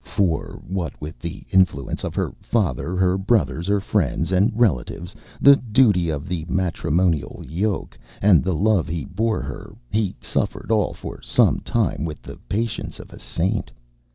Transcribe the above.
For what with the influence of her father, her brothers, her friends, and relatives, the duty of the matrimonial yoke, and the love he bore her, he suffered all for some time with the patience of a saint.